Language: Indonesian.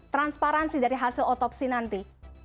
transparansi dari hasil otopsi nanti